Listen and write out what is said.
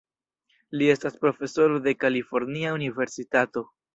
Li estas profesoro de Kalifornia Universitato.